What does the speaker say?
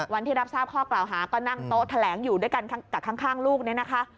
วันที่รับทราบข้อกล่าวหาก็นั่งโต๊ะแถลงอยู่ด้วยกันกับข้างลูกเนี่ยนะคะ